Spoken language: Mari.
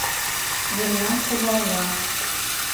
Мемнан кумылна.